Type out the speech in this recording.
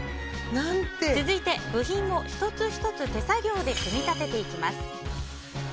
続いて、部品を一つ一つ手作業で組み立てていきます。